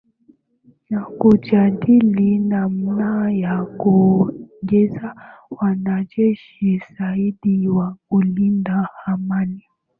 na kujadili namna ya kuongeza wanajeshi zaidi wa kulinda amani